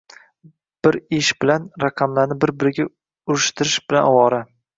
bir ish bilan — raqamlarni bir-biriga urishtirish bilan ovora.